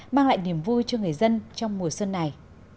mang lại niềm vui cho người dân trong mùa xuân này